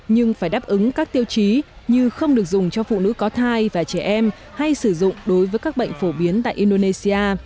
nhưng phải đáp ứng các tiêu chí như không được dùng cho phụ nữ có thai và trẻ em hay sử dụng đối với các bệnh phổ biến tại indonesia